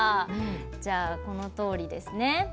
じゃあこのとおりですね。